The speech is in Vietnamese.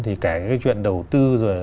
thì kể cái chuyện đầu tư